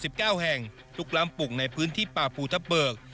สิบเก้าแห่งลุกล้ำปลูกในพื้นที่ป่าภูทับเบิก